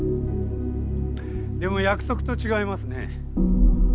でも約束と違いますね。